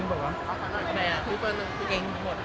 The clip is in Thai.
เอาเรื่องต่อไป